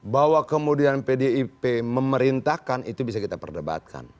bahwa kemudian pdip memerintahkan itu bisa kita perdebatkan